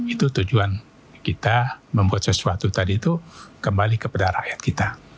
itu tujuan kita membuat sesuatu tadi itu kembali kepada rakyat kita